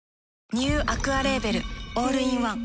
ニューアクアレーベルオールインワン